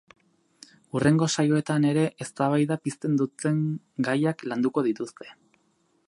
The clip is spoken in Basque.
Hurrengo saioetan ere, eztabaida pizten duten gaiak landuko dituzte.